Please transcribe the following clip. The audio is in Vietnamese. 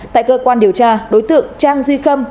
tại cơ quan điều tra đối tượng trang duy khâm